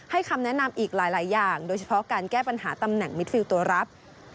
คำแนะนำอีกหลายอย่างโดยเฉพาะการแก้ปัญหาตำแหน่งมิดฟิลตัวรับ